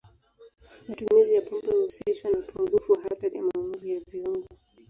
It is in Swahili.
Matumizi ya pombe huhusishwa na upungufu wa hatari ya maumivu ya viungo.